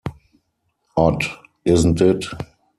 Odd, isn't it?